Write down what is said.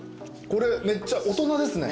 これめっちゃ大人ですね。